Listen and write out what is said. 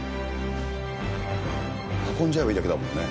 運んじゃえばいいだけだもんね。